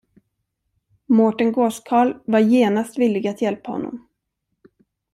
Mårten gåskarl var genast villig att hjälpa honom.